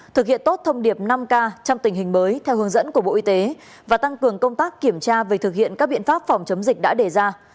thực hiện tốt thông điệp năm k trong tình hình mới theo hướng dẫn của bộ y tế và tăng cường công tác kiểm tra về thực hiện các biện pháp phòng chống dịch đã đề ra